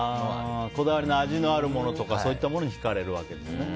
こだわりの味のあるものとかそういうものに引かれるわけですね。